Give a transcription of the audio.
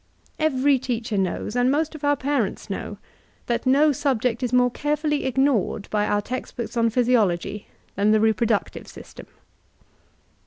Every teacher knows, and most of our parents know, that no subject is more carefully ignored by our text books on physiology than the reproductive system.